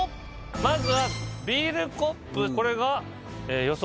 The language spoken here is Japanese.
まずはビールコップこれがええ予想